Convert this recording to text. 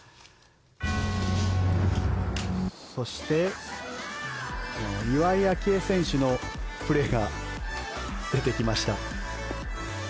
そして、岩井明愛選手のプレーが出てきました。